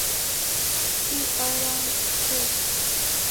See Islands Trust.